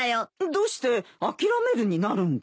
どうして諦めるになるんだい？